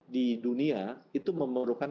di dunia itu memerlukan